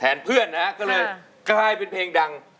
เพื่อนนะฮะก็เลยกลายเป็นเพลงดัง